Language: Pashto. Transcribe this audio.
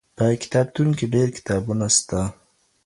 په کتابتون کي ډېر کتابونه سته.